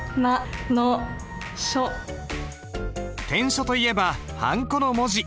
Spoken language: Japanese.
篆書といえばはんこの文字。